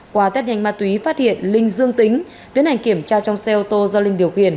qua tết nhanh ma túy phát hiện linh dương tính tiến hành kiểm tra trong xe ô tô do linh điều khiển